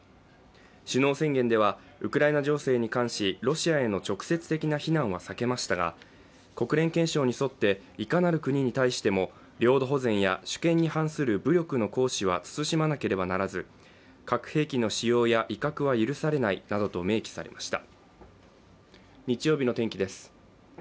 首脳宣言ではウクライナ情勢に関し、ロシアへの直接的な非難は避けましたが国連憲章に沿って、いかなる国に対しても領土保全や主権に反する武力の行使は慎まなければならず核兵器の使用や威嚇は許されないなどと明記されました。